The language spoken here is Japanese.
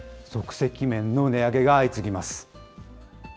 即席麺の値上げが相次ぎます。